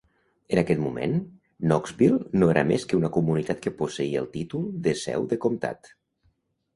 En aquest moment, Knoxville no era més que una comunitat que posseïa el títol de seu de comtat.